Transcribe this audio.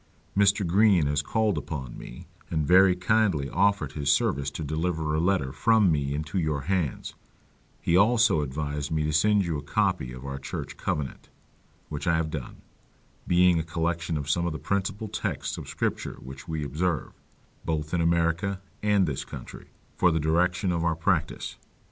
Mr. Green has called upon me, and very kindly offered his service to deliver a letter from me into your hands; he also advised me to send you a copy of our church covenant, which I have done: being a collection of some of the principal texts of scripture which we observe, both in America and this country, for the direction of our practice.